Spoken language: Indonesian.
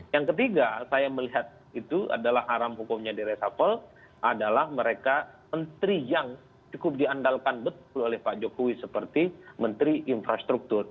yang ketiga saya melihat itu adalah haram hukumnya di resapel adalah mereka menteri yang cukup diandalkan betul oleh pak jokowi seperti menteri infrastruktur